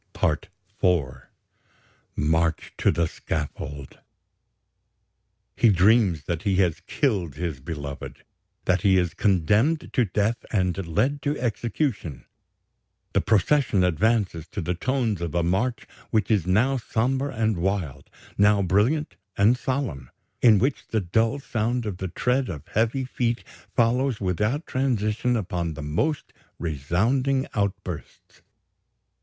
"PART IV "MARCH TO THE SCAFFOLD "He dreams that he has killed his beloved, that he is condemned to death and led to execution. The procession advances to the tones of a march which is now sombre and wild, now brilliant and solemn, in which the dull sound of the tread of heavy feet follows without transition upon the most resounding outbursts.